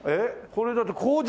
これだって工場？